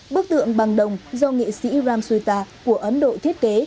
bức tượng bằng đồng do nghệ sĩ ram suta của ấn độ thiết kế